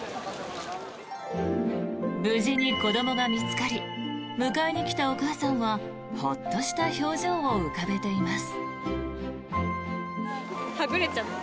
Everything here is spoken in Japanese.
無事に子どもが見つかり迎えに来たお母さんはほっとした表情を浮かべています。